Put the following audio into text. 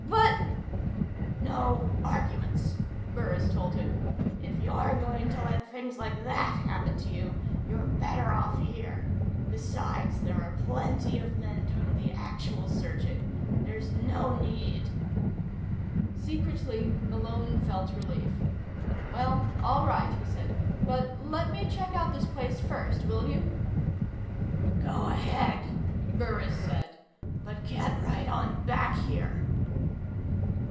"But " "No arguments," Burris told him. "If you're going to let things like that happen to you you're better off here. Besides, there are plenty of men doing the actual searching. There's no need " Secretly, Malone felt relief. "Well, all right," he said. "But let me check out this place first, will you?" "Go ahead," Burris said. "But get right on back here."